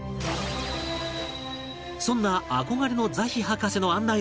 そんな憧れのザヒ博士の案内のもと